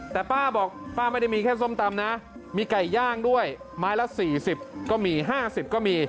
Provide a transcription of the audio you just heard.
แต่ป้าบอกป้าไม่ได้มีแค่ส้มตำนะมีไก่ย่างด้วยไม้ละ๔๐ก็มี๕๐ก็มี